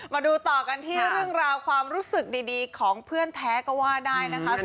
มาดูต่อกันที่เรื่องราวความรู้สึกดีของเพื่อนแท้ก็ว่าได้นะคะ